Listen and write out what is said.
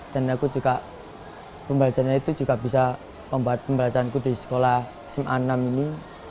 dan aku juga pembelajarannya itu juga bisa membuat pembelajaranku di sekolah sma enam ini